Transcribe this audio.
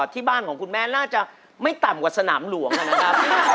ที่บ้านของคุณแม่น่าจะไม่ต่ำกว่าสนามหลวงนะครับ